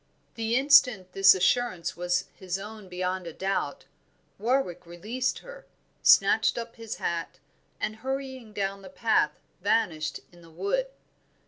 The instant this assurance was his own beyond a doubt, Warwick released her, snatched up his hat, and hurrying down the path vanished in the wood.